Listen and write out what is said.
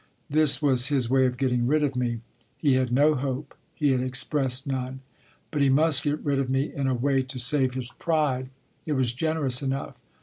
This was his way of getting rid of me. He had no hope, he had expressed none. But he must get rid of me in a way to save his pride. It was generous enough.